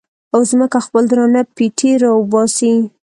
او ځمکه خپل درانه پېټي را وباسي